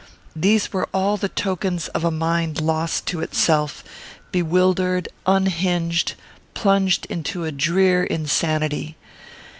These were all the tokens of a mind lost to itself; bewildered; unhinged; plunged into a drear insanity.